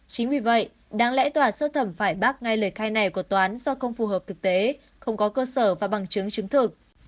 chính vì vậy đáng lẽ tòa sơ thẩm phải bác ngay lời khai này của tòa án do không phù hợp thực tế không có cơ sở và bằng chứng chứng thực